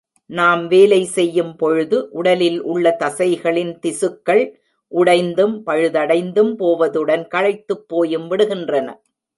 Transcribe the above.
நாம் வேலை செய்யும் பொழுது உடலில் உள்ள தசைகளின் திசுக்கள் உடைந்தும், பழுதடைந்தும் போவதுடன், களைத்துப் போயும் விடுகின்றன.